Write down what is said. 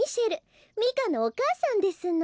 ミカのおかあさんですの。